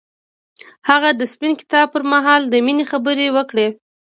هغه د سپین کتاب پر مهال د مینې خبرې وکړې.